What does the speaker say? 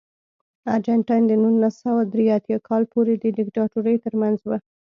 ارجنټاین د نولس سوه درې اتیا کال پورې د دیکتاتورۍ ترمنځ و.